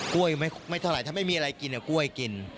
กล้วยไม่เท่าไหร่ถ้าไม่มีอะไรกินกล้วยกิน